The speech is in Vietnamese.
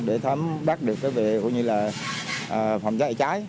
để thám đoát được về phòng cháy ở trái